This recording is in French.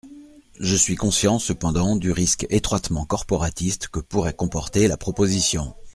Je suis conscient, cependant, du risque étroitement corporatiste que pourrait comporter la proposition.